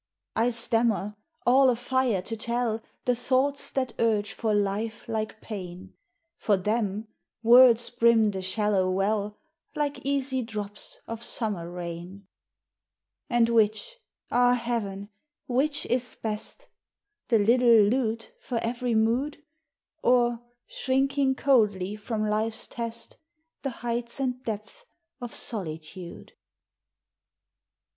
I stammer, all afire to tell The thoughts that urge for life like pain; For them words brim the shallow well Like easy drops of summer rain. And which, ah, Heaven, which is best The little lute for every mood, Or, shrinking coldly from life's test, The heights and depths of solitude?